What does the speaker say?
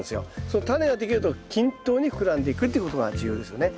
そのタネができると均等に膨らんでいくっていうことが重要ですよね。